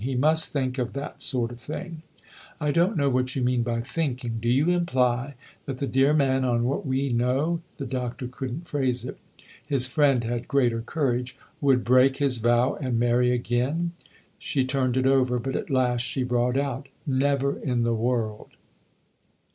He must think of that sort of thing." " I don't know what you mean by ' thinking !' Do you imply that the dear man, on what we know ?" The Doctor couldn't phrase it. His friend had greater courage. " Would break his vow and marry again ?" She turned it over, but at last she brought out :" Never in the world."